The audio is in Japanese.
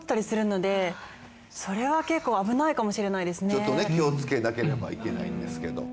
ちょっとね気をつけなければいけないんですけど。